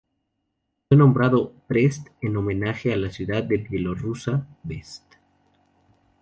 Fue nombrado Brest en homenaje a la ciudad bielorrusa Brest.